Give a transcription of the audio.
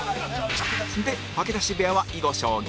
で吐き出し部屋は囲碁将棋